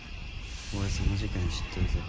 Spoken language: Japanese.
俺その事件知ってるぜ